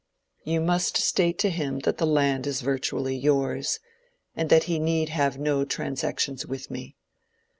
"You must state to him that the land is virtually yours, and that he need have no transactions with me.